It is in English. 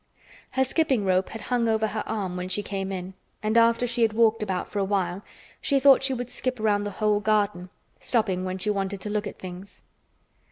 Her skipping rope had hung over her arm when she came in and after she had walked about for a while she thought she would skip round the whole garden, stopping when she wanted to look at things.